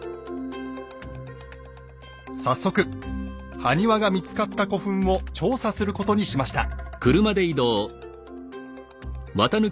早速埴輪が見つかった古墳を調査することにしました。